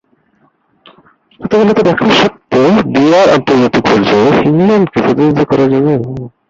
Portugal হতে ডাক পাওয়া সত্ত্বেও, ডিয়ার আন্তর্জাতিক পর্যায়ে ইংল্যান্ডকে প্রতিনিধিত্ব করার জন্য বেছে নেন।